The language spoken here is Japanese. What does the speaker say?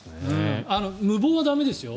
無謀は駄目ですよ。